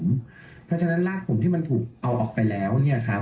เพราะฉะนั้นรากผมที่มันถูกเอาออกไปแล้ว